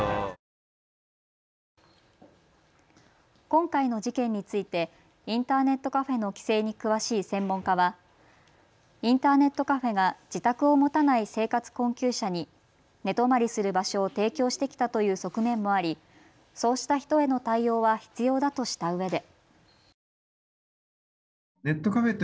今回の事件についてインターネットカフェの規制に詳しい専門家はインターネットカフェが自宅を持たない生活困窮者に寝泊まりする場所を提供してきたという側面もありそうした人への対応は必要だとしたうえで。